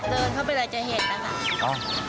เดินเข้าไปเลยจะเห็นนะคะ